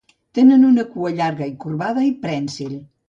Tenen una cua llarga i corbada i prènsil.